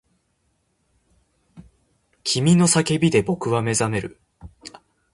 君の叫びで僕は目覚める